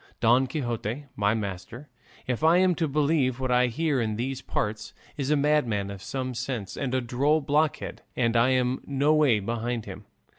Don Quixote, my master, if I am to believe what I hear in these parts, is a madman of some sense, and a droll blockhead, and I am no way behind him.